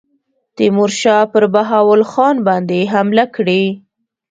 تیمورشاه پر بهاول خان باندي حمله کړې.